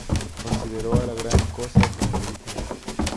Considero a la gran cosa como ridícula.